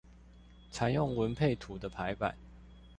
採用文配圖的排版